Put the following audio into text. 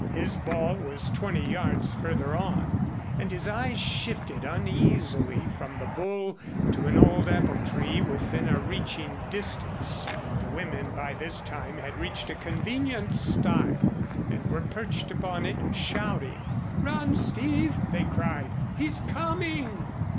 His ball was twenty yards further on, and his eyes shifted uneasily from the bull to an old apple tree within a reaching distance. The women by this time had reached a convenient stile and were perched upon it shouting. "Run, Steve!" they cried. "He's coming!"